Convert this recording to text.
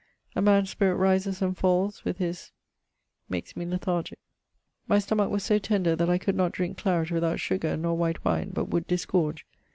A man's spirit rises and falls with his ⦻: makes me lethargique. stomach so tender that I could not drinke claret without sugar, nor white wine, but would disgorge.